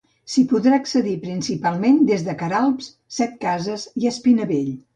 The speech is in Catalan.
S'hi podrà accedir principalment des de Queralbs, Setcases i Espinavell.